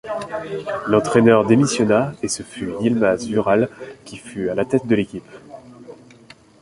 L'entraîneur démissionna et ce fut Yılmaz Vural qui fut à la tête de l'équipe.